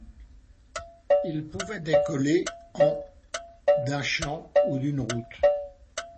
Il pouvait décoller en d'un champ ou d'une route.